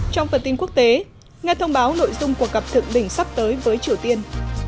trong phần tin quốc tế nghe thông báo nội dung cuộc gặp thượng đỉnh sắp tới với triều tiên